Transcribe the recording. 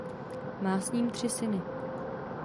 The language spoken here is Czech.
Má s ním tři syny.